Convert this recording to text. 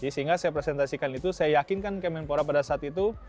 sehingga saya presentasikan itu saya yakinkan kemenpora pada saat itu